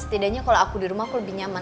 setidaknya kalau aku di rumah aku lebih nyaman